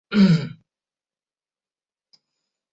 改翰林院庶吉士。